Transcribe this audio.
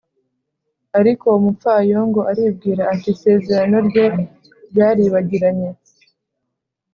Ariko umupfayongo aribwira ati«Isezerano rye ryaribagiranye!»